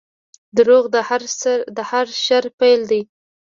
• دروغ د هر شر پیل دی.